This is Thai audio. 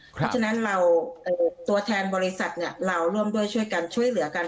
เพราะฉะนั้นเราตัวแทนบริษัทเราร่วมด้วยช่วยกันช่วยเหลือกัน